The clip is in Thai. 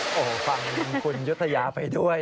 โอ้โหฟังคุณยุธยาไปด้วย